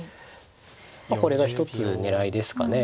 これが一つ狙いですかね。